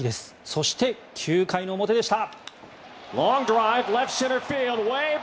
そして、９回の表でした。